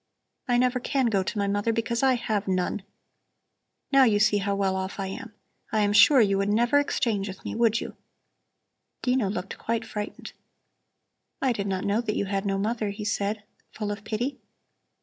"I never can go to my mother because I have none. Now you see how well off I am! I am sure you would never exchange with me, would you?" Dino looked quite frightened. "I did not know that you had no mother," he said, full of pity.